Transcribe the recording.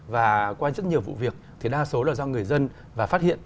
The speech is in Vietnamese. và qua rất nhiều vụ việc thì đa số là do người dân và phát hiện